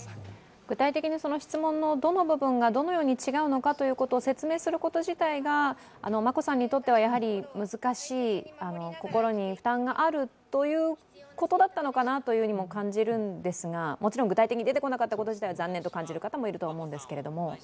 具体的に質問のどの部分がどのように違うのかということを説明すること自体が眞子さんにとっては難しい、心に負担があるということだったのかなとも感じるんですがもちろん具体的に出てこなかったこと自体は残念と感じる方もいると思うんですけれども。